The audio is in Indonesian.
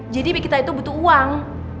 jadi kita itu butuh uang